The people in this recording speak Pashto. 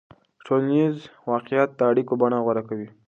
ټولنیز واقعیت د اړیکو بڼه غوره کوي.